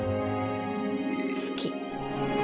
好き。